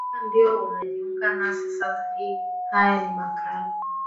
kama ndio unajiunga nasi saa hii haya ni makala